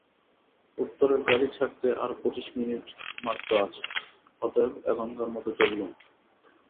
উত্তরের গাড়ি ছাড়তে আর পঁচিশ মিনিট মাত্র আছে অতএব এখনকার মতো চললুম।